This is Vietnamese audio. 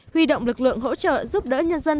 huy động lực lượng hỗ trợ giúp đỡ nhân dân